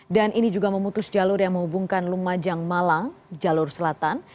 dan ini juga memutus jalur yang menghubungkan lumajang malang jalur selatan